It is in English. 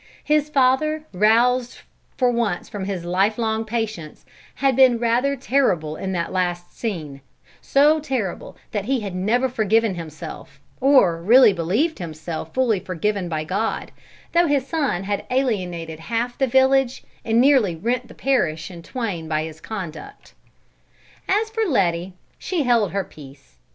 His father, roused for once from his lifelong patience, had been rather terrible in that last scene; so terrible that he had never forgiven himself, or really believed himself fully forgiven by God, though his son had alienated half the village and nearly rent the parish in twain by his conduct. As for Letty, she held her peace.